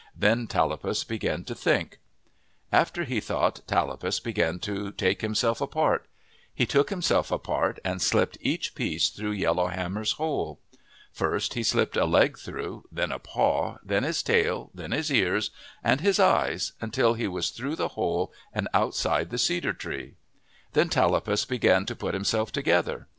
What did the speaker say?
Then Tallapus began to think. 128 OF THE PACIFIC NORTHWEST After he thought, Tallapus began to take himself apart. He took himself apart and slipped each piece through Yellow Hammer's hole. First he slipped a leg through, then a paw, then his tail, then his ears, and his eyes, until he was through the hole, and out side the cedar tree. Then Tallapus began to put himself together.